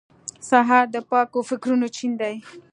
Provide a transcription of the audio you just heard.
سهار د پاکو فکرونو چین دی.